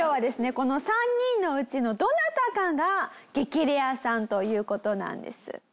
この３人のうちのどなたかが激レアさんという事なんです。